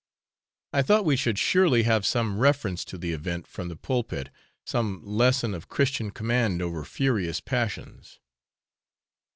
I thought we should surely have some reference to the event from the pulpit, some lesson of Christian command over furious passions.